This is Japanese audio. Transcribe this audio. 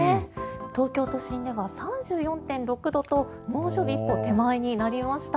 東京都心では３４．６度と猛暑日一歩手前になりました。